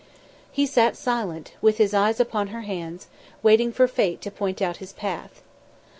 He sat silent, with his eyes upon her hands, waiting for Fate to point out his path.